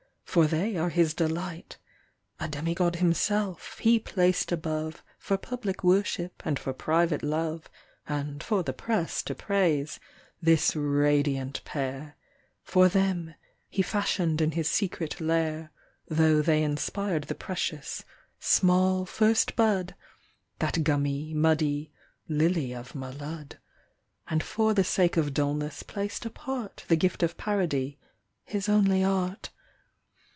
For they are his delight. A demigod himself, he placed above For public worship and for private love (And for the press to praise) this radiant pair; For them, he fashioned in his secret lair (Though they inspired the precious, small first bud) That gummy, muddy '* Lily of Malud." And for the sake of Dullness placed apart The gift of parody, his only art.